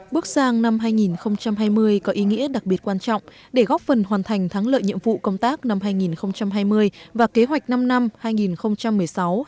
bước sang năm hai nghìn hai mươi có ý nghĩa đặc biệt quan trọng để góp phần hoàn thành thắng lợi nhiệm vụ công tác năm hai nghìn hai mươi và kế hoạch năm năm hai nghìn một mươi sáu hai nghìn hai